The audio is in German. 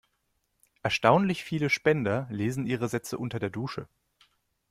Erstaunlich viele Spender lesen ihre Sätze unter der Dusche.